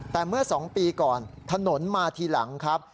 แต่เมื่อ๒ปีก่อนถนนมาทีหลังครับ